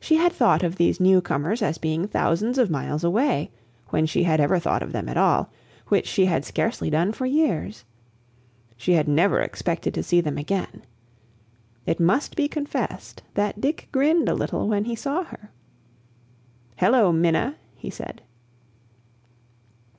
She had thought of these new comers as being thousands of miles away, when she had ever thought of them at all, which she had scarcely done for years. She had never expected to see them again. It must be confessed that Dick grinned a little when he saw her. "Hello, Minna!" he said.